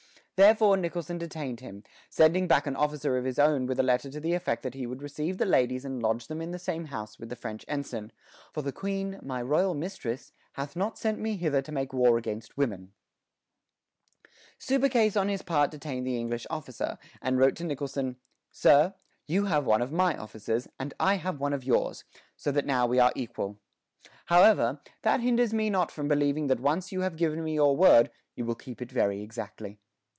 Therefore Nicholson detained him, sending back an officer of his own with a letter to the effect that he would receive the ladies and lodge them in the same house with the French ensign, "for the queen, my royal mistress, hath not sent me hither to make war against women." Subercase on his part detained the English officer, and wrote to Nicholson, Sir, You have one of my officers, and I have one of yours; so that now we are equal. However, that hinders me not from believing that once you have given me your word, you will keep it very exactly.